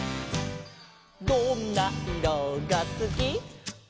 「どんないろがすき」「」